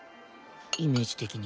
イメージ的に。